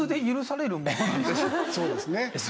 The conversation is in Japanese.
そうですね。